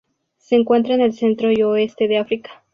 Se encuentra en el centro y oeste de África.